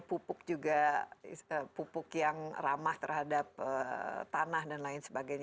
pupuk juga pupuk yang ramah terhadap tanah dan lain sebagainya